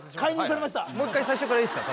もう１回最初からいいですか？